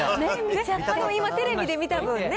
今、テレビで見た分ね。